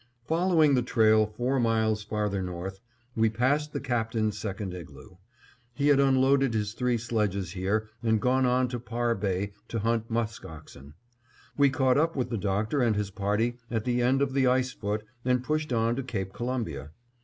Following the trail four miles farther north, we passed the Captain's second igloo. He had unloaded his three sledges here and gone on to Parr Bay to hunt musk oxen. We caught up with the Doctor and his party at the end of the ice foot and pushed on to Cape Columbia.